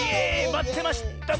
まってました！